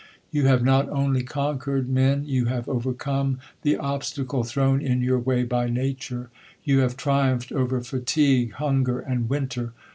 You have not only conquered men ; you have overcome the obstacle thrown m your way by nature. You have triumphed over fatigue, hunger, and winter.